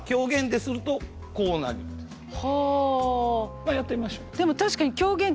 まあやってみましょう。